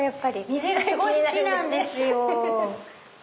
水色すごい好きなんですよ。